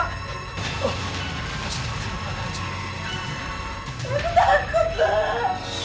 aku takut lah